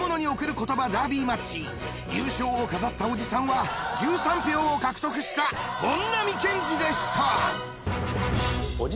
ダービーマッチ優勝を飾ったおじさんは１３票を獲得した本並健治でした。